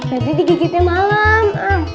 berarti digigitnya malam